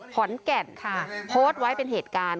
ขอนแก่นค่ะโพสต์ไว้เป็นเหตุการณ์